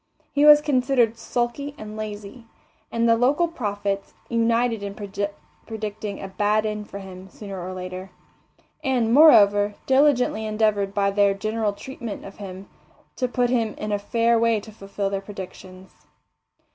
He was considered sulky and lazy, and the local prophets united in predicting a bad end for him sooner or later; and, moreover, diligently endeavoured by their general treatment of him to put him in a fair way to fulfil their predictions.